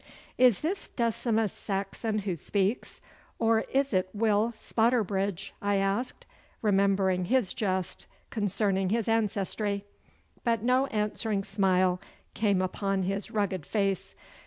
'Is this Decimus Saxon who speaks, or is it Will Spotterbridge?' I asked, remembering his jest concerning his ancestry, but no answering smile came upon his rugged face.